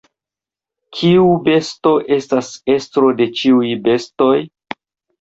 Kiu besto estas estro de ĉiuj bestoj?